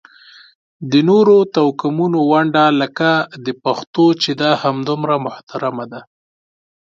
د نورو توکمونو ونډه لکه د پښتنو چې ده همدومره محترمه ده.